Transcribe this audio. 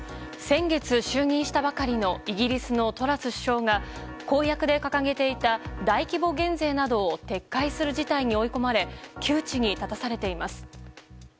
先月、就任したばかりのイギリスのトラス首相が公約で掲げていた大規模減税などを撤回する事態に追い込まれ窮地に立たされています。